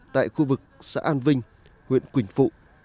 tại khu vực xã an vinh huyện quỳnh phụ